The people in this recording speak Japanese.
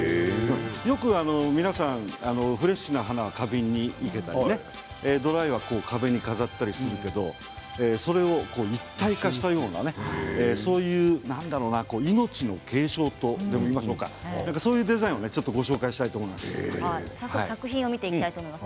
よく皆さんフレッシュな花は花瓶に生けたりドライフラワーは壁に飾ったりするけどそれを一体化したような何だろうな命の継承とでも言いましょうかそういうデザインを作品を見ていきます。